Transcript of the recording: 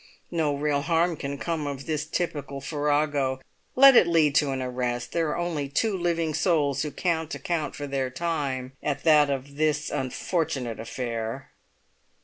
No real harm can come of this typical farrago. Let it lead to an arrest! There are only two living souls who can't account for their time at that of this unfortunate affair."